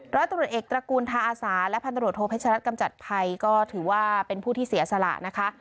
ร้อยตำรวจเอกตระกูลทาอาสาและพันตรวจโทเพชรัฐกำจัดภัยก็ถือว่าเป็นผู้ที่เสียสละนะคะ